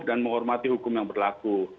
menghormati hukum yang berlaku